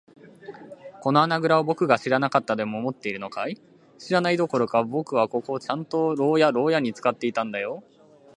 この穴ぐらをぼくが知らなかったとでも思っているのかい。知らないどころか、ぼくはここをちゃんと牢屋ろうやに使っていたんだよ。